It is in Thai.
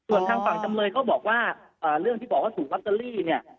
ส่วนทางฝั่งจำเลยก็บอกว่าเรื่องที่บอกว่าถูกลอตเตอรี่เนี่ย